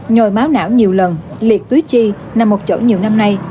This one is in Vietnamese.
nhồi máu não nhiều lần liệt túi chi nằm một chỗ nhiều năm nay